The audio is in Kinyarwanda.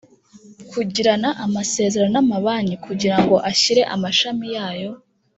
Kugirana amasezerano n amabanki kugira ngo ashyire amashami yayo